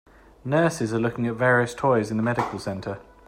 Nurses are looking at various toys in the medical center.